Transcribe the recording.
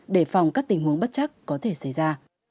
để phòng các tình huống bất chắc có thể xảy ra